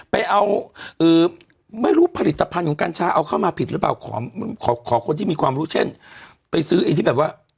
ไปซื้ออีกที่แบบว่า